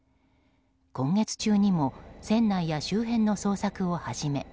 今月中にも船内や周辺の捜索を始め